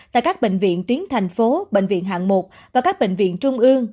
tại các bệnh viện tuyến thành phố bệnh viện hạng một và các bệnh viện trung ương